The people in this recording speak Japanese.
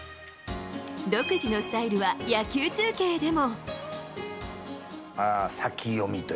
独自のスタイルは野球中継でも。